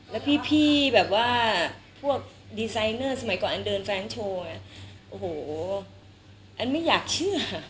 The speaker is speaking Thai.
แล้วพี่แบบว่าพวกดีไซเนอร์สมัยก่อนอันเดินแฟนโชว์ไงโอ้โหอันไม่อยากเชื่อ